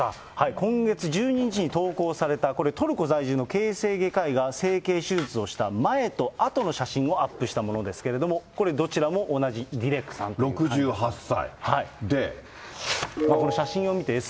今月１２日に投稿された、これ、トルコ在住の形成外科医が整形手術した、前と後の写真をアップしたものですけれども、これ、６８歳。